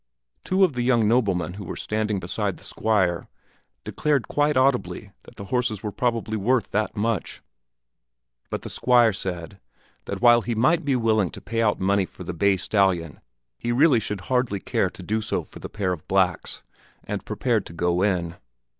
Two of the young noblemen who were standing beside the Squire declared quite audibly that the horses were probably worth that much; but the Squire said that while he might be willing to pay out money for the bay stallion he really should hardly care to do so for the pair of blacks, and prepared to go in.